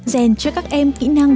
dèn cho các em kỹ năng